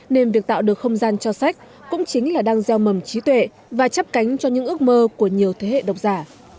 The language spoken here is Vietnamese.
nên việc tạo được không gian cho sách cũng chính là đang gieo mầm trí tuệ và chấp cánh cho những ước mơ của nhiều thế hệ độc giả